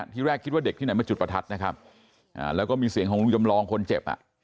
ที่แรกคิดว่าเด็กที่ไหนมาจุดประทัดนะครับแล้วก็มีเสียงของลุงจำลองคนเจ็บอ่ะ